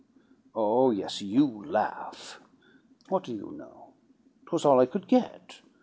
Oh, yes, you laugh! What do you know! 'Twas all I could get.